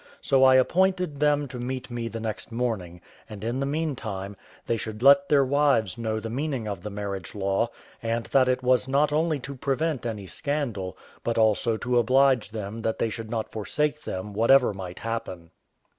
So I appointed them to meet me the next morning; and, in the meantime, they should let their wives know the meaning of the marriage law; and that it was not only to prevent any scandal, but also to oblige them that they should not forsake them, whatever might happen.